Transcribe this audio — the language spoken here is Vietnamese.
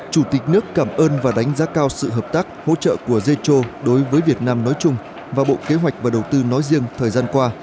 chủ tịch nước cảm ơn và đánh giá cao sự hợp tác hỗ trợ của zetro đối với việt nam nói chung và bộ kế hoạch và đầu tư nói riêng thời gian qua